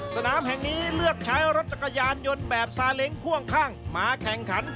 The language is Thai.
สนามแห่งนี้เลือกใช้รถจักรยานยนต์แบบซาเล้งพ่วงข้างมาแข่งขัน